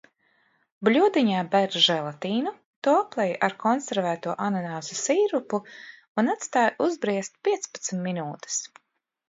Bļodiņā ber želatīnu, to aplej ar konservēto ananasu sīrupu un atstāj uzbriest piecpadsmit minūtes.